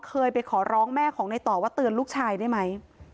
เคยไปขอร้องแม่ของในต่อว่าเตือนลูกชายได้ไหม